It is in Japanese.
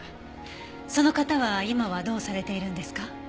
その方は今はどうされているんですか？